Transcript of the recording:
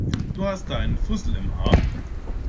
Du hast da einen Fussel im Haar.